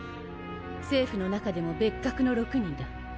政府の中でも別格の６人だ。